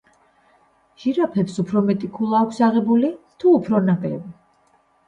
ჟირაფებს უფრო მეტი ქულა აქვთ აღებული, თუ უფრო ნაკლები?